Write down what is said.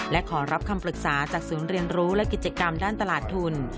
และขอรับคำปรึกษาจากศูนย์เรียนรู้และกิจกรรมด้านตลาดทุน